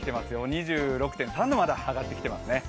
２６．３度まで上がってきていますね。